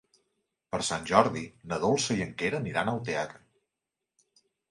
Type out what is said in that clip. Per Sant Jordi na Dolça i en Quer aniran al teatre.